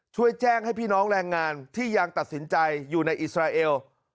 ช่วยแจ้งให้พี่น้องแรงงานที่ยังตัดสินใจอยู่ในอิสราเอล